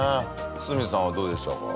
堤さんはどうでしたか？